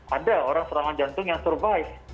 ada orang serangan jantung yang survive